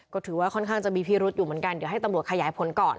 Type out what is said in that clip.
ก็ถือว่าค่อนข้างจะมีพิรุษอยู่เหมือนกันเดี๋ยวให้ตำรวจขยายผลก่อน